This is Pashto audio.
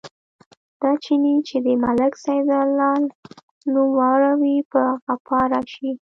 دا چيني چې د ملک سیدلال نوم واوري، په غپا راشي.